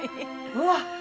うわっ！